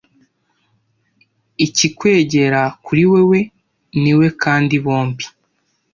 ikikwegera kuri wewe ni we kandi bombi